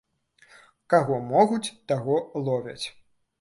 Каго могуць, таго ловяць.